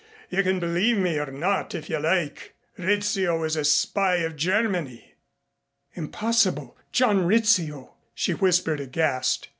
You can believe me or not if you like. Rizzio is a spy of Germany!" "Impossible! John Rizzio " she whispered aghast.